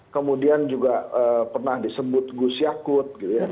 kemudian juga pernah disebut gus yakut